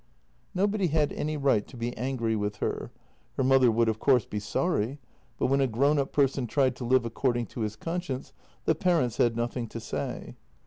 Nobody had any right to be angry with her. Her mother would, of course, be sorry, but when a grown up person tried to live according to his conscience the parents had nothing to say.